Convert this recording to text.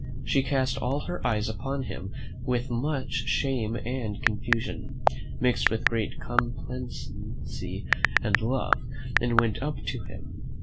She cast all her eyes upon him with much shame and confusion, mixed with great complacency and love, and went up to him.